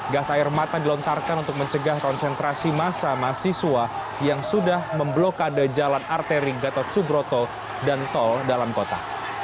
gas air mata dilontarkan untuk mencegah konsentrasi masa mahasiswa yang sudah memblokade jalan arteri gatot subroto dan tol dalam kota